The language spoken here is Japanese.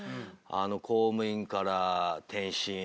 公務員から転身。